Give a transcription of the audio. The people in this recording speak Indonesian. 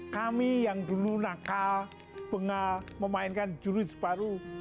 kami yang dulu nakal bengal memainkan jurus baru